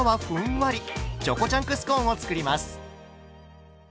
チョコチャンクスコーンを作ります。